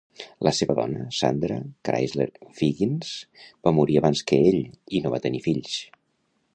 La seva dona, Sandra Crysler-Wiggins, va morir abans que ell, i no va tenir fills.